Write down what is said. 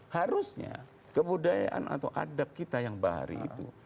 harusnya kebudayaan atau adab kita yang bahari itu